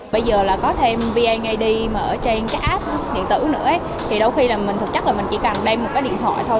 bây giờ là có thêm vneid mà ở trên cái app điện tử nữa thì đôi khi là mình thực chất là mình chỉ cần đem một cái điện thoại thôi